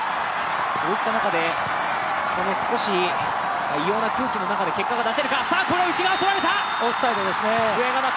そういった中で、少し異様な空気の中で結果が出せるか。